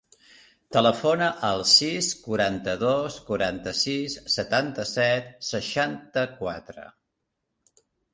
Telefona al sis, quaranta-dos, quaranta-sis, setanta-set, seixanta-quatre.